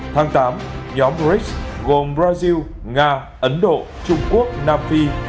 tháng tám nhóm brics gồm brazil nga ấn độ trung quốc nam phi